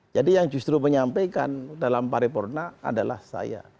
jadi yang justru menyampaikan dalam paripurna adalah saya